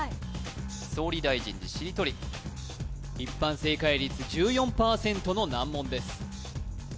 総理大臣でしりとり一般正解率１４％の難問です